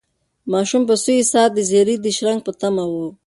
ماشوم په سوې ساه د زېري د شرنګ په تمه و.